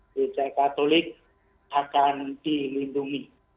ibadah katolik akan dilindungi